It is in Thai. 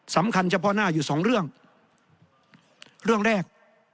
เฉพาะหน้าอยู่สองเรื่องเรื่องแรก